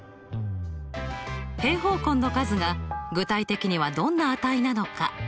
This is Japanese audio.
平方根の数が具体的にはどんな値なのか？